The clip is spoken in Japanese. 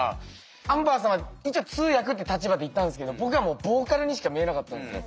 アンバーさんは一応通訳って立場で行ったんですけど僕はもうボーカルにしか見えなかったんですよ。